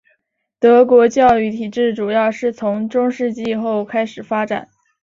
德国教育体制主要是从中世纪后开始发展。